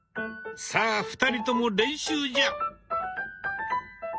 さあ２人とも練習じゃ。